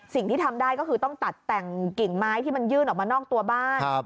สิ่งที่ทำได้ก็คือต้องตัดแต่งกิ่งไม้ที่มันยื่นออกมานอกตัวบ้าน